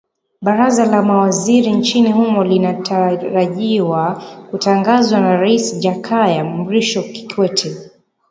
baraza la mawaziri nchini humo lina tarajiwa kutangazwa na rais jakaya mrisho kikwete